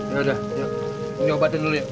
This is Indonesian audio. ya udah nyobatin dulu yuk